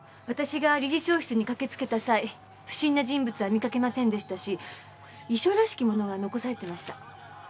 私が理事長室に駆けつけた際不審な人物は見かけませんでしたし遺書らしきものが残されてました。